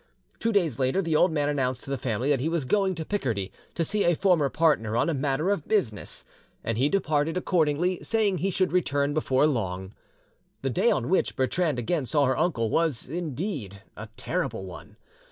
Two days later the old man announced to the family that he was going to Picardy to see a former partner on a matter of business, and he departed accordingly, saying he should return before long. The day on which Bertrande again saw her uncle was, indeed, a terrible one.